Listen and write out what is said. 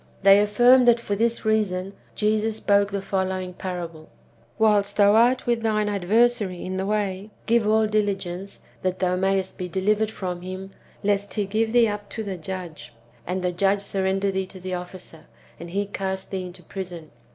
They affirm that for this reason Jesus spoke the following parable :—" Whilst thou art with thine adversary in the way, give all diligence, that thou mayest be delivered from him, lest he give thee up to the judge, and the judge surrender thee to the officer, and he cast thee into prison.